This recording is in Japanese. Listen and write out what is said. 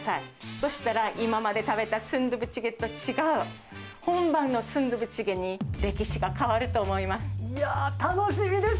そしたら今まで食べたスンドゥブチゲと違う、本場のスンドゥブチゲに、歴史が変わると思います。